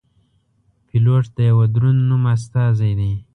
پیلوټ د یوه دروند نوم استازی دی.